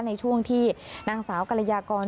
ในช่วงที่นางสาวกรยากร